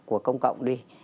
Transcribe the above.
của công cộng đi